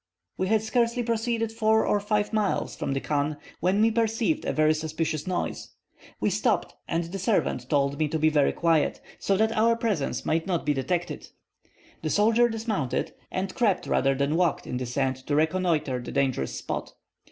We had scarcely proceeded four or five miles from the khan when we perceived a very suspicious noise. We stopped, and the servant told me to be very quiet, so that our presence might not be detected. The soldier dismounted, and crept rather than walked in the sand to reconnoitre the dangerous spot.